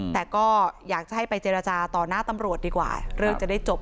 แต่ก็อยากจะให้ไปเจรจาต่อหน้าตำรวจดีกว่าเรื่องจะได้จบ